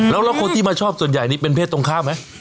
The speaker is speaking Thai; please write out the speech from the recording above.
แล้วคนที่มาชอบส่วนใหญ่นี้เป็นเพศตรงข้ามไหม